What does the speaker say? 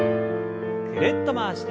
ぐるっと回して。